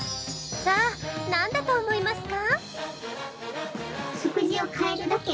さあ、何だと思いますか？